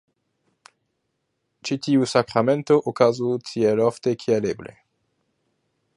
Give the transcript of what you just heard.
Ĉi tiu sakramento okazu tiel ofte kiel eble.